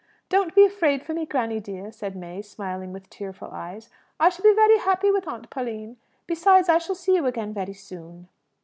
"Don't be afraid for me, granny dear!" said May, smiling with tearful eyes. "I shall be very happy with Aunt Pauline. Besides, I shall see you again very soon."